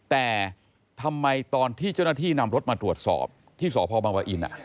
แต่ทำไมตอนที่เจ้าหน้าที่นำรถมาตรวจสอบ